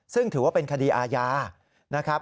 ซึ่งถือว่าเป็นคดีอาญานะครับ